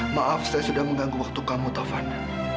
maaf saya sudah mengganggu waktu kamu tafan